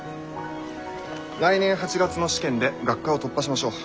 来年８月の試験で学科を突破しましょう。